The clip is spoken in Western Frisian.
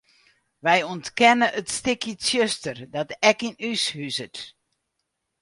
Wy ûntkenne it stikje tsjuster dat ek yn ús huzet.